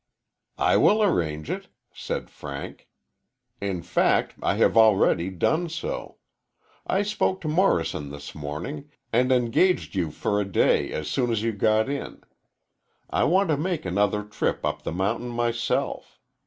"I will arrange it," said Frank. "In fact, I have already done so. I spoke to Morrison this morning, and engaged you for a day as soon as you got in. I want to make another trip up the mountain, myself.